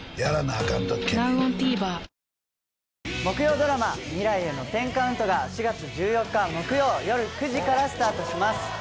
木曜ドラマ『未来への１０カウント』が４月１４日木曜よる９時からスタートします。